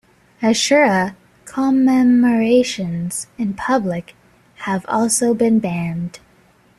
Ashura commemorations in public have also been banned.